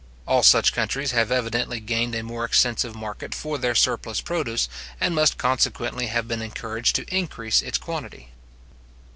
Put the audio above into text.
All such countries have evidently gained a more extensive market for their surplus produce, and must consequently have been encouraged to increase its quantity.